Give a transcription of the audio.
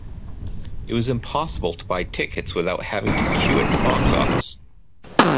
It was impossible to buy tickets without having to queue at the box office